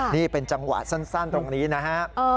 นี่เป็นจังหวะสั้นตรงนี้นะฮะ